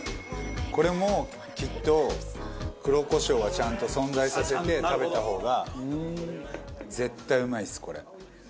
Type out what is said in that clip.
これもきっと黒胡椒はちゃんと存在させて食べた方が絶対うまいですこれ。